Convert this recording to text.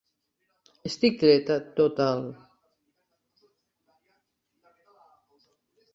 Estic dreta tot el